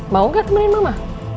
mau gak temenin mama